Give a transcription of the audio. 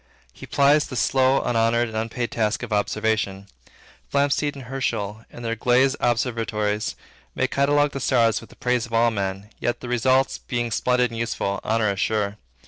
He plies the slow, unhonored, and unpaid task of observation. Flamsteed and Herschel, in their glazed observatories, may catalogue the stars with the praise of all men, and, the results being splendid and useful, honor is sure.